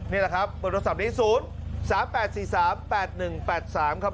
นี่แหละครับเบอร์โทรศัพท์นี้๐๓๘๔๓๘๑๘๓ครับ